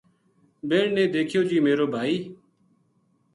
بہن نے دیکھیو جی میرو بھائی